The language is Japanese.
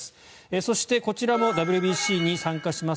そして、こちらもＷＢＣに参加します